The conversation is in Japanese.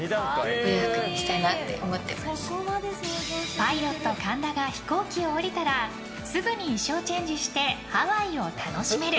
パイロット神田が飛行機を降りたらすぐに衣装チェンジしてハワイを楽しめる